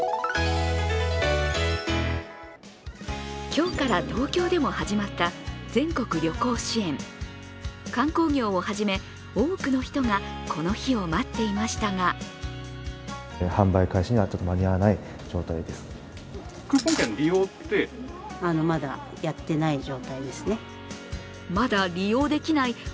今日から東京でも始まった全国旅行支援、観光業をはじめ多くの人がこの日を待っていましたがじゃがりこ、あげりこ！